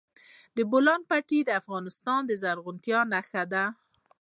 د بولان پټي د افغانستان د زرغونتیا نښه ده.